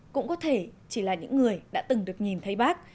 cũng có thể chỉ là những người đã từng được nhìn thấy bác